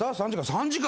３時間。